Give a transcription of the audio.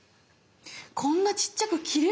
こんなちっちゃく切れるか？